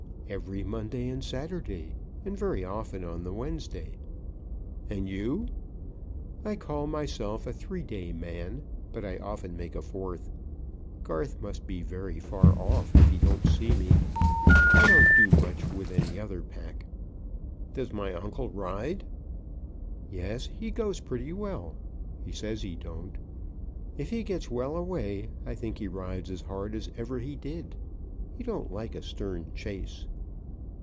"Every Monday and Saturday, and very often on the Wednesday." "And you?" "I call myself a three day man, but I often make a fourth. Garth must be very far off if he don't see me. I don't do much with any other pack." "Does my uncle ride?" "Yes; he goes pretty well; he says he don't. If he gets well away I think he rides as hard as ever he did. He don't like a stern chace."